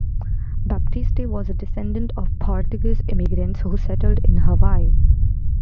Baptiste was a descendant of Portuguese immigrants who settled in Hawaii.